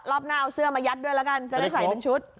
รอบหน้าเอาเสื้อมายัดด้วยแล้วกันจะได้ใส่เป็นชุด